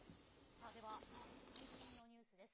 さあ、では、続いて最新のニュースです。